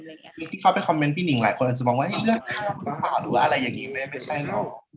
พี่นิ่งที่เข้าไปคอมเมนต์พี่นิ่งหลายคนอาจจะบอกว่าเรื่องนี้มาหาดูอะไรอย่างนี้ไหม